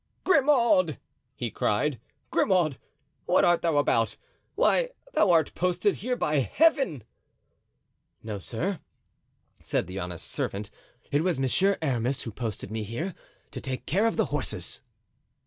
"Grimaud!" he cried; "Grimaud! what art thou about? Why, thou art posted here by Heaven!" "No, sir," said the honest servant, "it was Monsieur Aramis who posted me here to take care of the horses."